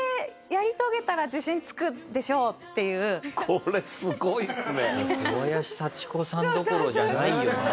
これすごいっすね。